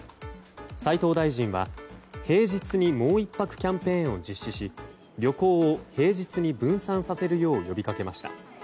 斉藤大臣は平日にもう１泊キャンペーンを実施し旅行を平日に分散させるよう呼びかけました。